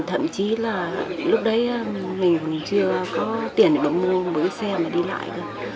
thậm chí là lúc đấy mình chưa có tiền để bỏ mua bữa xe mà đi lại